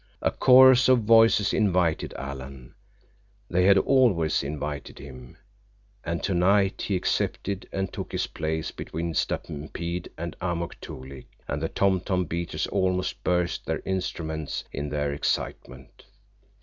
A chorus of voices invited Alan. They had always invited him. And tonight he accepted, and took his place between Stampede and Amuk Toolik and the tom tom beaters almost burst their instruments in their excitement.